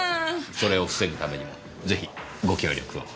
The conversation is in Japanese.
それを防ぐためにもぜひご協力を。